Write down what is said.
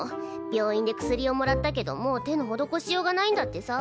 病院で薬をもらったけどもう手のほどこしようがないんだってさ。